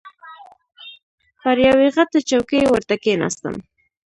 پر یوې غټه چوکۍ ورته کښېناستم.